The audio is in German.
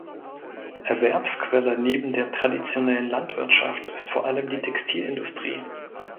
Erwerbsquelle neben der traditionellen Landwirtschaft ist vor allem die Textilindustrie.